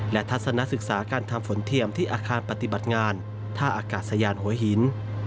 และทัศนศึกษาการทำฝนเทียมที่อาคารปฏิบัติงานท่าอากาศยานหัวหิน